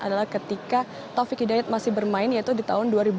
adalah ketika taufik hidayat masih bermain yaitu di tahun dua ribu lima belas